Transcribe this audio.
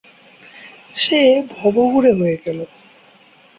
সে ভবঘুরে হয়ে গেলো।